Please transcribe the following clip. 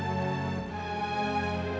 aku akan mencari tuhan